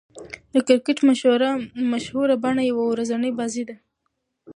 د کرکټ مشهوره بڼه يوه ورځنۍ بازي ده.